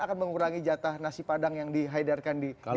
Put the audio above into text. akan mengurangi jatah nasi padang yang dihaidarkan di meja makan